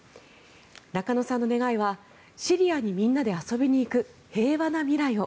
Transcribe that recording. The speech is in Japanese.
中野さんの願いはシリアにみんなで遊びに行く平和な未来を！！